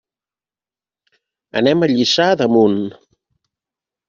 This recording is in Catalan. Anem a Lliçà d'Amunt.